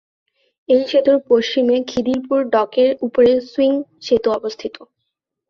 এই সেতুর পশ্চিমে খিদিরপুর ডকের উপরে সুইং সেতু অবস্থিত।